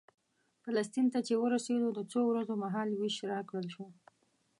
فلسطین ته چې ورسېدو د څو ورځو مهال وېش راکړل شو.